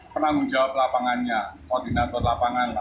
penanggung jawab lapangannya koordinator lapangan